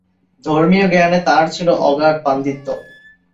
ধর্মীয় জ্ঞানে তার ছিল অগাধ পাণ্ডিত্য।